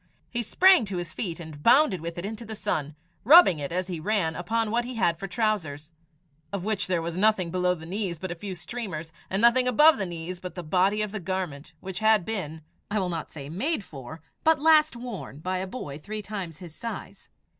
He sprang to his feet and bounded with it into the sun, rubbing it as he ran upon what he had for trousers, of which there was nothing below the knees but a few streamers, and nothing above the knees but the body of the garment, which had been I will not say made for, but last worn by a boy three times his size.